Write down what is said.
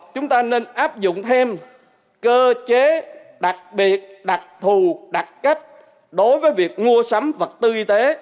chúng ta nên áp dụng thêm cơ chế đặc biệt đặc thù đặc cách đối với việc mua sắm vật tư y tế